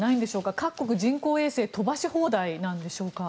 各国、人工衛星飛ばし放題なんでしょうか？